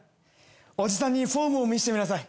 おじさんにフォームを見せてみなさい。